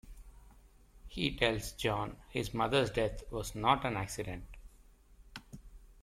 He tells Jon his mother's death was not an accident.